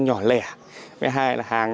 nhỏ lẻ với hai là hàng